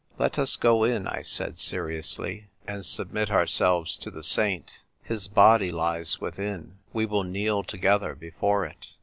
"Let us go in," I said seriously, " and submit our selves to the saint. His body lies within. We will kneel together before it."